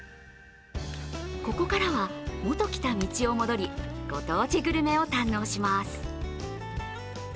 ここからは、元来た道を戻りご当地グルメを堪能します。